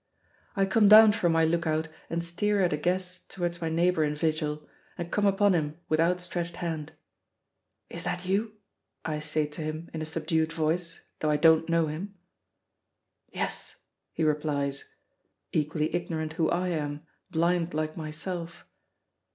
I come down from my look out and steer at a guess towards my neighbor in vigil, and come upon him with outstretched hand. "Is that you?" I say to him in a subdued voice, though I don't know him. "Yes," he replies, equally ignorant who I am, blind like myself.